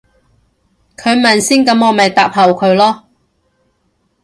佢問先噉我咪答後佢咯